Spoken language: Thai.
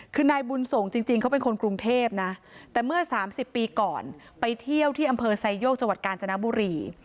คือนายบุญส่งจริงเขาเป็นคนกรุงเทพนะแต่เมื่อ๓๐ปีก่อนไปเที่ยวที่อำเภอไซโยกจังหวัดกาญจนบุรี